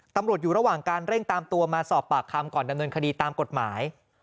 ตำรวจอยู่ระหว่างการเร่งตามตัวมาสอบปากคำก่อนดำเนินคดีตามกฎหมาย